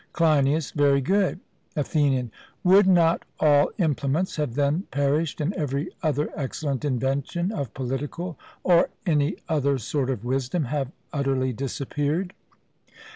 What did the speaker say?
CLEINIAS: Very good. ATHENIAN: Would not all implements have then perished and every other excellent invention of political or any other sort of wisdom have utterly disappeared?